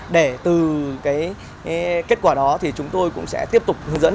để từ kết quả đó thì chúng tôi cũng sẽ tiếp tục hướng dẫn